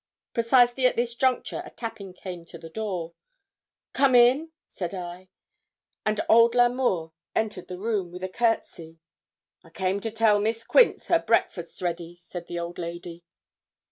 Precisely at this juncture a tapping came to the door. 'Come in,' said I. And old L'Amour entered the room, with a courtesy. 'I came to tell Miss Quince her breakfast's ready,' said the old lady.